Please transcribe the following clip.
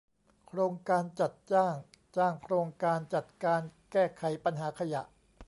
โครงการจัดจ้างจ้างโครงการจัดการแก้ไขปัญหาขยะ